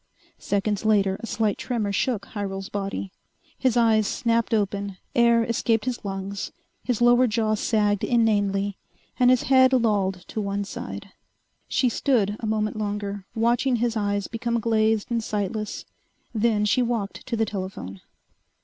Seconds later, a slight tremor shook Hyrel's body. His eyes snapped open, air escaped his lungs, his lower jaw sagged inanely, and his head lolled to one side. She stood a moment longer, watching his eyes become glazed and sightless. Then she walked to the telephone.